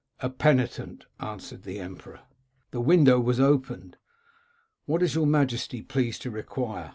"* A penitent/ answered the emperor. " The window was opened. ' What is your majesty pleased to require?